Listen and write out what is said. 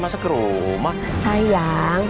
masuk ke rumah sayang